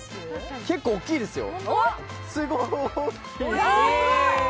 結構大きいですよ。